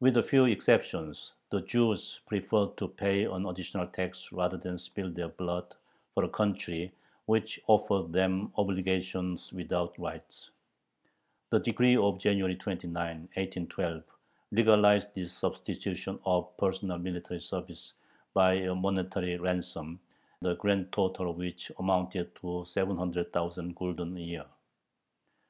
With few exceptions, the Jews preferred to pay an additional tax rather than spill their blood for a country which offered them obligations without rights. The decree of January 29, 1812, legalized this substitution of personal military service by a monetary ransom, the grand total of which amounted to 700,000 gulden a year.